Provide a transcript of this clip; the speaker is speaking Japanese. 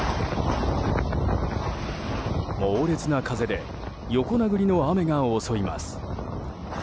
猛烈な風で横殴りの雨が襲います。